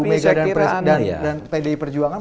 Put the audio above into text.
ibu mega dan pdi perjuangan